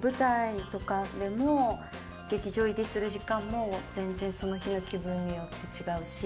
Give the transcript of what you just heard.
舞台とかでも、劇場入りする時間も全然その日の気分によって違うし。